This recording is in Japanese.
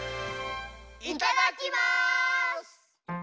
いただきます！